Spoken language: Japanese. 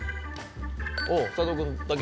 おぉ佐藤君だけ。